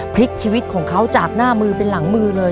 พลิกชีวิตของเขาจากหน้ามือเป็นหลังมือเลย